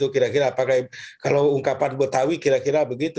kira kira pakai kalau ungkapan betawi kira kira begitu